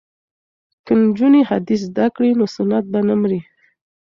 که نجونې حدیث زده کړي نو سنت به نه مري.